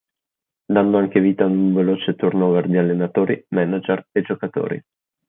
Dando anche vita ad un veloce turn over di allenatori, manager e giocatori.